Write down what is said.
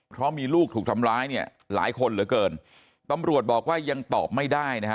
เพราะมีลูกถูกทำร้ายเนี่ยหลายคนเหลือเกินตำรวจบอกว่ายังตอบไม่ได้นะฮะ